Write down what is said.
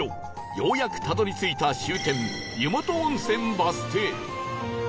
ようやくたどり着いた終点湯元温泉バス停